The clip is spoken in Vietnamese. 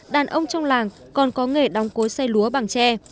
đàn ông trong làng còn có nghề đóng cối xây lúa bằng tre